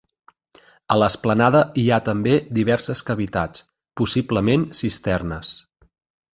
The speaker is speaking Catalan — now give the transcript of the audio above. A l'esplanada hi ha també diverses cavitats, possiblement cisternes.